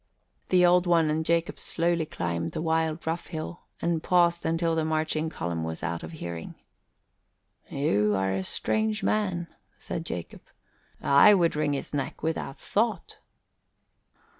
The Old One and Jacob slowly climbed the wild, rough hill and paused until the marching column was out of hearing. "You are a strange man," said Jacob. "I would wring his neck without thought."